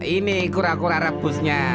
ini kura kura rebusnya